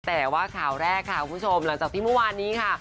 แต่ว่าข่าวแรกค่ะคุณผู้ชมหลังจากที่เมื่อวานนี้ค่ะ